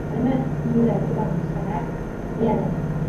Hannah Miller এবং Sarah fear!